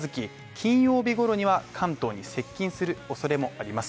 金曜日頃には関東に接近するおそれもあります。